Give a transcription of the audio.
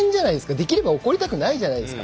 できれば怒りたくないじゃないですか。